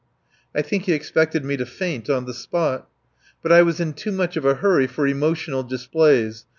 I think he expected me to faint on the spot. But I was in too much of a hurry for emotional displays.